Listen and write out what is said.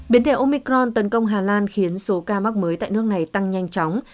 biến thể omicron tấn công hà lan khiến số ca mắc mới tại nước này tăng nhanh chóng